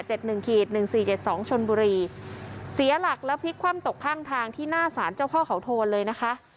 หนึ่งขีดหนึ่งสี่เจ็ดสองชนบุรีเสียหลักแล้วพลิกคว่ำตกข้างทางที่หน้าสารเจ้าพ่อเขาโทนเลยนะคะ